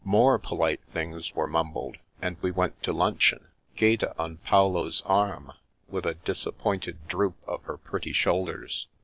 More polite things were mumbled, and we went to luncheon, Gaeta on Paolo's arm, with a disappointed droop of her pretty shoulders.